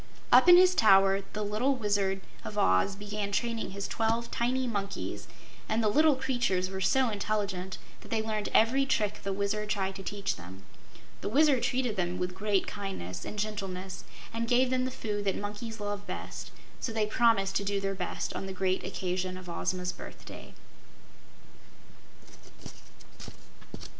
Up in his tower the little Wizard of Oz began training his twelve tiny monkeys, and the little creatures were so intelligent that they learned every trick the Wizard tried to teach them. The Wizard treated them with great kindness and gentleness and gave them the food that monkeys love best, so they promised to do their best on the great occasion of Ozma's birthday. 22.